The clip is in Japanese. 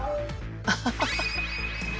アハハハ。